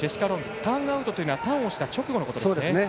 ターンアウトというのはターンをした直後のことですね。